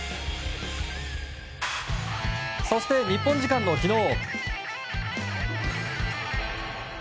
そして日本時間の昨日。